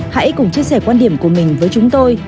hãy cùng chia sẻ quan điểm của mình với chúng tôi